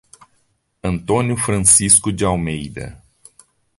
Antônio Francisco de Almeida